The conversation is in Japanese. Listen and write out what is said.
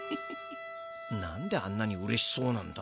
なんであんなにうれしそうなんだ？